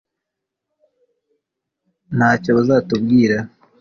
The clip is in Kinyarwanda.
ntacyo bazatubwira